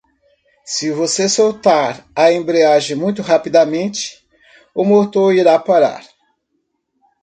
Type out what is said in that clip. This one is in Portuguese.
Se você soltar a embreagem muito rapidamente?, o motor irá parar.